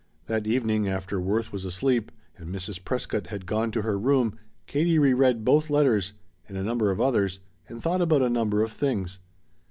That evening after Worth was asleep and Mrs. Prescott had gone to her room, Katie reread both letters, and a number of others, and thought about a number of things.